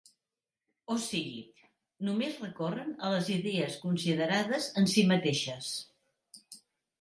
O sigui, només recorren a les idees considerades en si mateixes.